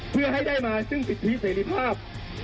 เพื่อให้ได้มาซึ่งสิทธิเสรีภาพ